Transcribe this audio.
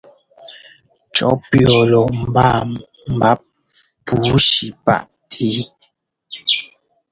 Cɔ́ pʉ̈ɔ lɔ mbáa mbáp pǔushi páʼtɛ́.